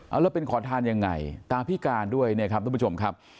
เอาแล้วเป็นขอทานยังไงตาพิการด้วยเนี่ยครับทุกผู้ชมครับ